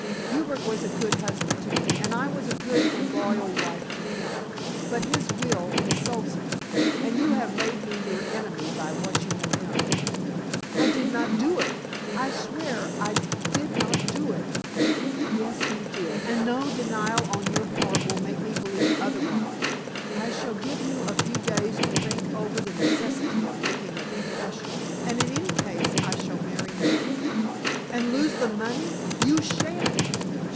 Hubert was a good husband to me, and I was a good and loyal wife to him; but his will insults me, and you have made me your enemy by what you have done." "I did not do it. I swear I did not do it." "Yes, you did; and no denial on your part will make me believe otherwise. I shall give you a few days to think over the necessity of making a confession, and in any case I shall marry Noel." "And lose the money. You shan't!"